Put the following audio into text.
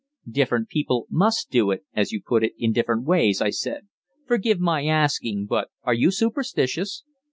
"Different people must 'do it,' as you put it, in different ways," I said. "Forgive my asking, but are you superstitious?"